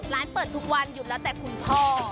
เปิดทุกวันหยุดแล้วแต่คุณพ่อ